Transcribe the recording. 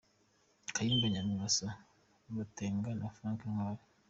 Kayumba Nyamwasa, Batenga na Frank Ntwali